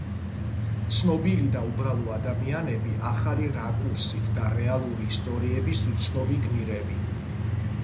ცნობილი და უბრალო ადამიანები ახალი რაკურსით და რეალური ისტორიების უცნობი გმირები.